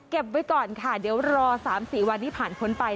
เก็บไว้ก่อนค่ะเดี๋ยวรอ๓๔วันที่ผ่านคนไป